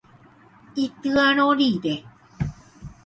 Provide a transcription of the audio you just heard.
Ityarõ rire.